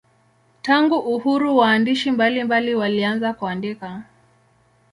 Tangu uhuru waandishi mbalimbali walianza kuandika.